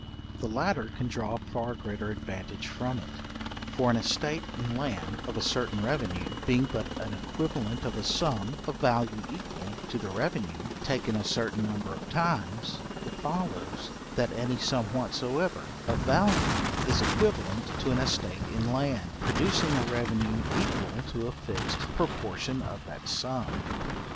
The latter can draw a far greater advantage from it; for an estate in land of a certain revenue, being but an equivalent of a sum of value equal to the revenue, taken a certain number of times, it follows, that any sum whatsoever of value is equivalent to an estate in land, producing a revenue equal to a fixed proportion of that sum.